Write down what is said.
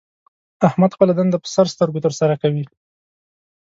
احمد خپله دنده په سر سترګو تر سره کوي.